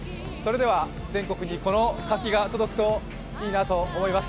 全国にこの活気が届くといいなと思います。